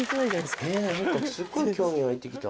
すっごい興味湧いて来た。